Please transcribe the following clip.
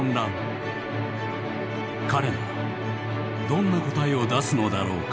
彼ならどんな答えを出すのだろうか？